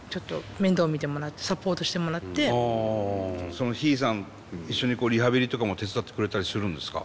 そのヒイさん一緒にリハビリとかも手伝ってくれたりするんですか。